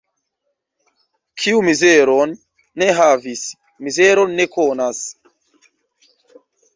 Kiu mizeron ne havis, mizeron ne konas.